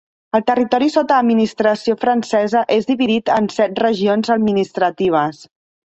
El territori sota administració francesa és dividit en set regions administratives.